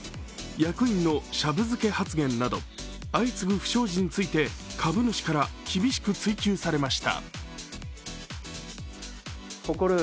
役員のシャブ漬け発言など相次ぐ不祥事について株主から厳しく追及されました。